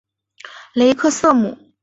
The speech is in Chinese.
雷克瑟姆。